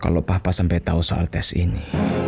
kalo papa sampe tau soal tes ini